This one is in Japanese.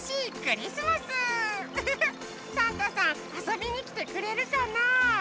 サンタさんあそびにきてくれるかな？